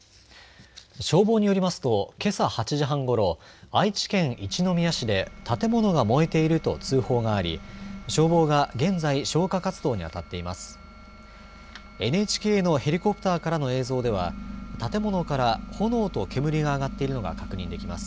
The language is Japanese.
消防によりますとけさ８時半ごろ愛知県一宮市で建物が燃えていると通報があり消防が現在、消火活動に当たっています。